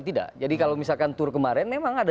tidak jadi kalau misalkan tour kemarin memang ada